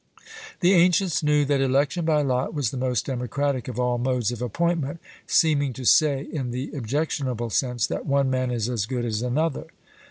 The ancients knew that election by lot was the most democratic of all modes of appointment, seeming to say in the objectionable sense, that 'one man is as good as another.'